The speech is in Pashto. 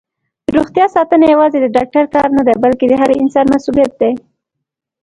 دروغتیا ساتنه یوازې د ډاکټر کار نه دی، بلکې د هر انسان مسؤلیت دی.